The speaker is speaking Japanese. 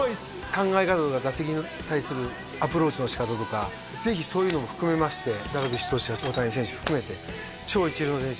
考え方とか打席に対するアプローチのしかたとかぜひそういうのも含めましてダルビッシュ投手や大谷選手含めて超一流の選手